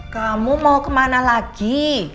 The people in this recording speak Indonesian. kamu mau kemana lagi